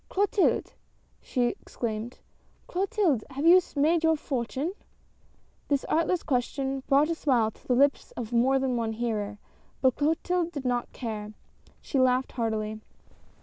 " Clotilde !" she exclaimed, " Clotilde ! Have you made your fortune ?" This artless question brought a smile to the lips of more than one hearer, but Clotilde did not care ; she laughed heartily.